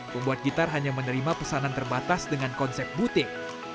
pembuat gitar hanya menerima pesanan terbatas dengan konsep butik